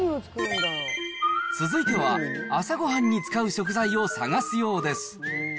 続いては、朝ごはんに使う食材を探すようです。